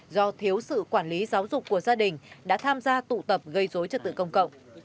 do thiếu sự quản lý giáo dục của gia đình đã tham gia tụ tập gây dối trật tự công cộng